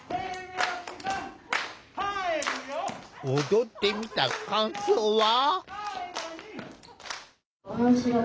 踊ってみた感想は？